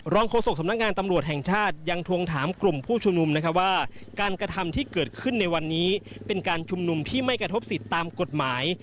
โฆษกสำนักงานตำรวจแห่งชาติยังทวงถามกลุ่มผู้ชุมนุมนะคะว่าการกระทำที่เกิดขึ้นในวันนี้เป็นการชุมนุมที่ไม่กระทบสิทธิ์ตามกฎหมาย